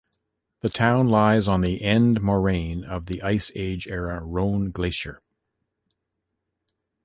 The town lies on the end moraine of the ice age era Rhone glacier.